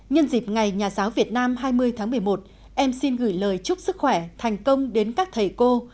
nhân dịp ngày nhà giáo việt nam hai mươi tháng một mươi một em xin gửi lời chúc sức khỏe thành công đến các thầy cô